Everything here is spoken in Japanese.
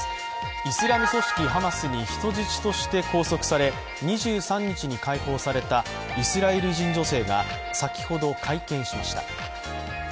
イスラム組織ハマスに人質として拘束され２３日に解放されたイスラエル人女性が先ほど会見しました。